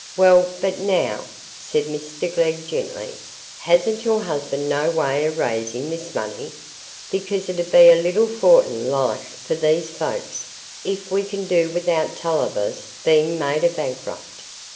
"Well, but now," said Mr Glegg, gently, "hasn't your husband no way o' raising this money? Because it 'ud be a little fortin, like, for these folks, if we can do without Tulliver's being made a bankrupt.